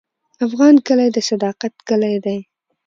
د افغان کلی د صداقت کلی دی.